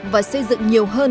và xây dựng nhiều hơn